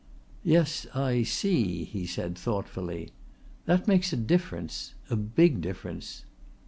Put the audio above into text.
"Yes, I see," he said thoughtfully. "That makes a difference a big difference."